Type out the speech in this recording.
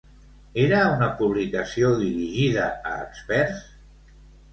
Era una publicació dirigida a experts?